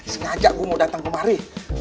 sengaja gue mau datang kemari